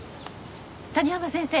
谷浜先生